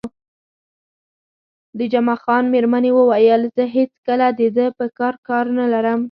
د جمعه خان میرمنې وویل: زه هېڅکله د ده په کارو کار نه لرم.